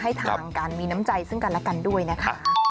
ทางการมีน้ำใจซึ่งกันและกันด้วยนะคะ